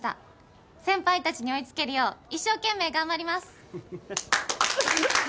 先輩たちに追い付けるよう一生懸命頑張ります。